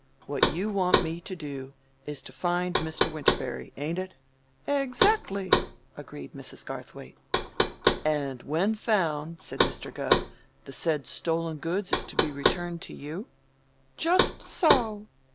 "What you want me to do, is to find Mr. Winterberry, ain't it?" "Exactly," agreed Mrs. Garthwaite. "And, when found," said Mr. Gubb, "the said stolen goods is to be returned to you?" "Just so."